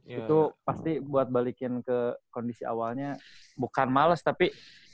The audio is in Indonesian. itu pasti buat balikin ke kondisi awalnya bukan males tapi